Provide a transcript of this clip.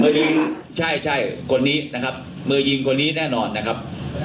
ยิงใช่ใช่คนนี้นะครับมือยิงคนนี้แน่นอนนะครับ